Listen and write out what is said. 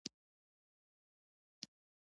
فلم باید د ماشومانو لپاره روزنیز وي